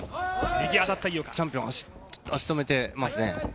チャンピオン、足止めてますね。